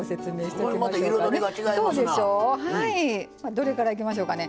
どれからいきましょうかね。